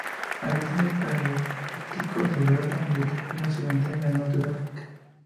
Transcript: Habita en el paleártico: la Europa mediterránea occidental y el norte de África.